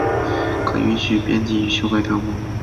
可允许编辑与修改条目。